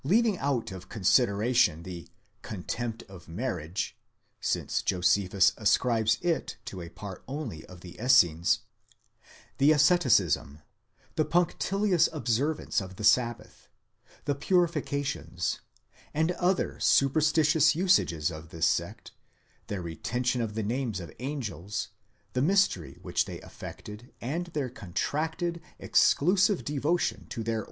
Leaving out of consideration the contempt of mar riage, ὑπεροψία γάμου, since Josephus ascribes it to a part only of the Essenes ; the asceticism, the punctilious observance of the Sabbath, the purifications, and other superstitious usages of this sect, their retention of the names of the angels, the mystery which they affected, and their contracted, exclusive devo 14 FE. g.